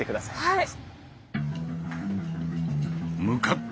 はい。